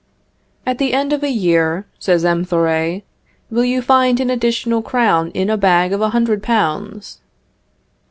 At the end of a year, says M. Thoré, will you find an additional crown in a bag of a hundred pounds?